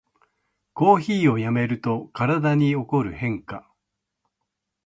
コーヒーをやめると体に起こる変化